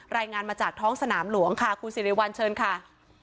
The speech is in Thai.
รายงานมาจากท้องสนามหลวงค่ะคุณสิริวัลเชิญค่ะ